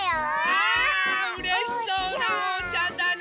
わあうれしそうなおうちゃんだね！